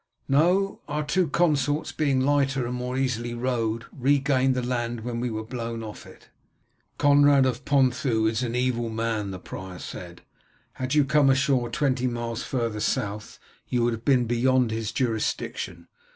"No; our two consorts, being lighter and more easily rowed, regained the land when we were blown off it." "Conrad of Ponthieu is an evil man," the prior said. "Had you come ashore twenty miles farther south you would have been beyond his jurisdiction.